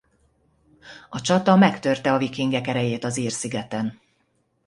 A csata megtörte a vikingek erejét az ír szigeten.